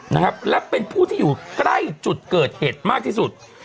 นะครับและเป็นผู้ที่อยู่ใกล้จุดเกิดเหตุมากที่สุด